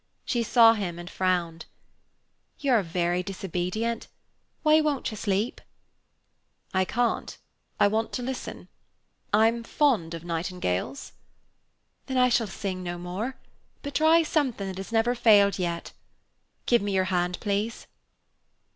She saw him and frowned. "You are very disobedient; why won't you sleep?" "I can't, I want to listen. I'm fond of nightingales." "Then I shall sing no more, but try something that has never failed yet. Give me your hand, please."